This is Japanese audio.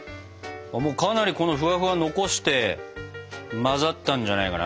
かなりこのフワフワ残して混ざったんじゃないかな？